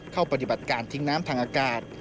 ปฏิบัติการทิ้งน้ำทางอากาศ